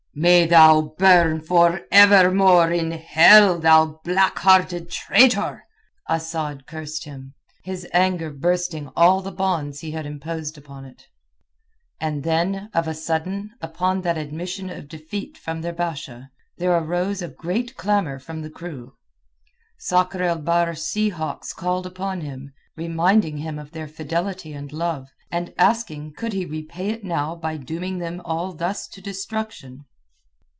"May thou burn for evermore in hell, thou black hearted traitor!" Asad cursed him, his anger bursting all the bonds he had imposed upon it. And then, of a sudden, upon that admission of defeat from their Basha, there arose a great clamour from the crew. Sakr el Bahr's sea hawks called upon him, reminding him of their fidelity and love, and asking could he repay it now by dooming them all thus to destruction.